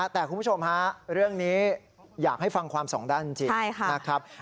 แต่คุณผู้ชมฮะเรื่องนี้อยากให้ฟังความสองด้านจริงนะครับ